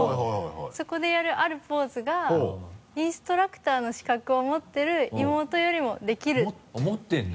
そこでやるあるポーズがインストラクターの資格を持ってる妹よりもできるっていう持ってるんだ。